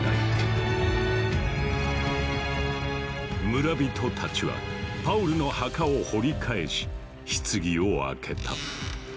村人たちはパウルの墓を掘り返し棺を開けた。